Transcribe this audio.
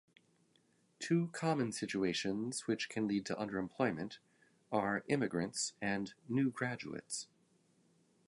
Two common situations which can lead to underemployment are immigrants and new graduates.